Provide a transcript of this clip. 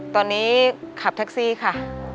ตอนนี้ขับแท็กซี่ค่ะ